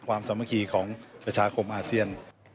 สามัคคีของประชาคมอาเซียน